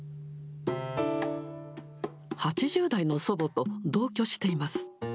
８０代の祖母と同居しています。